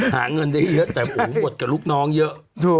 หาเงินได้เยอะแต่หูบทกับลูกน้องเยอะ